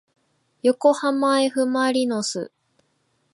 よこはまえふまりのす